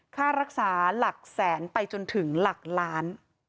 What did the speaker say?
ค่ารักษาหลักแสนไปจนถึงหลักล้าน